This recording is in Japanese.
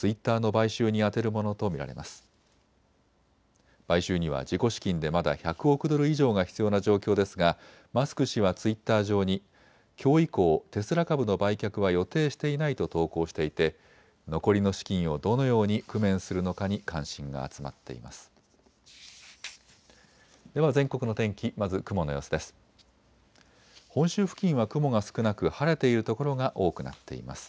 買収には自己資金でまだ１００億ドル以上が必要な状況ですがマスク氏はツイッター上にきょう以降、テスラ株の売却は予定していないと投稿していて残りの資金をどのように工面するのかに関心が集まっています。